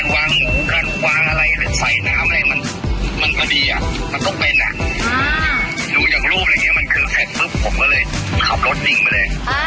ดูจากรูปอะไรอย่างนี้มันคือแข็งปุ๊บผมก็เลยขับรถนิ่งไปเลย